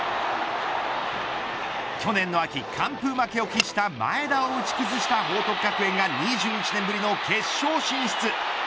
去年の秋、完封負けを喫した前田を打ち崩した報徳学園が２１年ぶりの決勝進出。